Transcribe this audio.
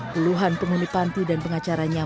puluhan penghuni panti dan pengacaranya